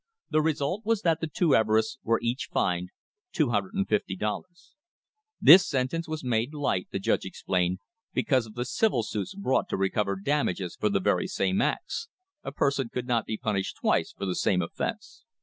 The result was that the two Everests were each fined $250. This sentence was made light, the judge explained, because of the civil suits brought to recover damages for the very same acts a person could not be punished twice for the same offence.